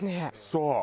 そう。